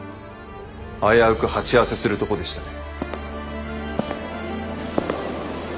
危うく鉢合わせするとこでしたね。